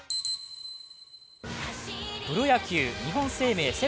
プロ野球日本生命セ